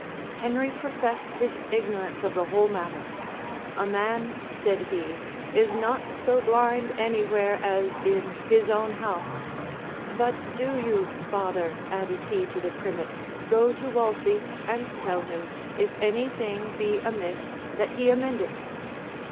Henry professed his ignorance of the whole matter. "A man," said he, "is not so blind any where as in his own house: but do you, father," added he to the primate, "go to Wolsey, and tell him, if any thing be amiss, that he amend it."